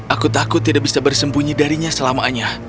aku takut tidak bisa bersembunyi darinya selama anya